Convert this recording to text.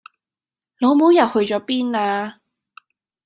老母又去咗邊呀